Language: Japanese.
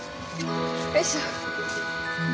よいしょ。